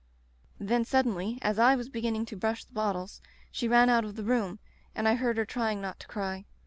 Then, suddenly, as I was beginning to brush the bottles, she ran out of the room, and I heard her trying not to cry.